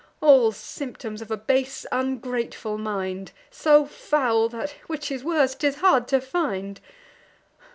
All symptoms of a base ungrateful mind, So foul, that, which is worse, 'tis hard to find.